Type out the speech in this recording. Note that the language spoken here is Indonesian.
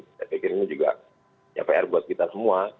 saya pikir ini juga pr buat kita semua